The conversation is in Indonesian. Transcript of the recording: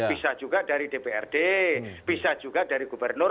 bisa juga dari dprd bisa juga dari gubernur